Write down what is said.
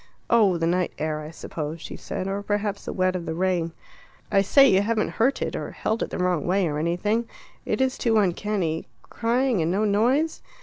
"Oh, the night air, I suppose," she said, "or perhaps the wet of the rain." "I say, you haven't hurt it, or held it the wrong way, or anything; it is too uncanny crying and no noise.